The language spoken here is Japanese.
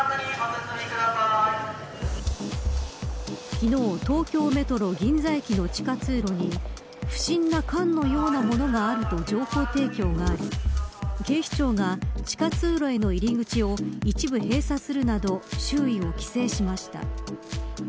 昨日、東京メトロ銀座駅の地下通路に不審な缶のようなものがあるとの情報提供があり警視庁が地下通路への入り口を一部閉鎖するなど周囲を規制しました。